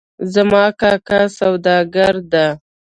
زما کاکا سوداګر ده